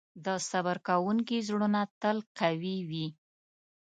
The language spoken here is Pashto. د صبر کوونکي زړونه تل قوي وي.